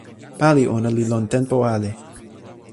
pali ona li lon tenpo ale.